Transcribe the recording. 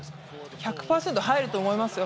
１００％入ると思いますよ